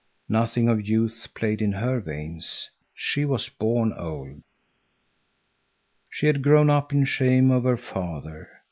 Nothing of youth played in her veins. She was born old. She had grown up in shame of her father.